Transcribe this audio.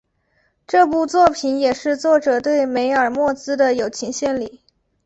这部作品也是作者对梅尔莫兹的友情献礼。